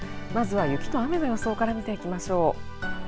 まずは、雪と雨の予想から見ていきましょう。